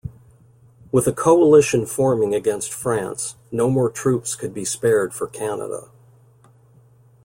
With a coalition forming against France, no more troops could be spared for Canada.